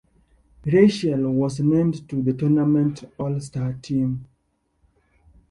Reichel was named to the tournament all-star team.